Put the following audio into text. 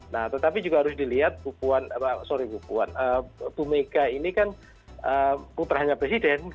nah tetapi juga harus dilihat bumega ini kan putranya presiden